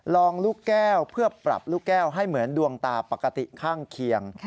ลูกแก้วเพื่อปรับลูกแก้วให้เหมือนดวงตาปกติข้างเคียง